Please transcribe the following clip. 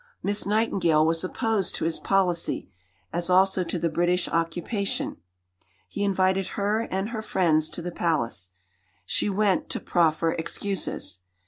Miss Nightingale was opposed to his policy, as also to the British occupation. He invited her and her friends to the Palace. She went to proffer excuses.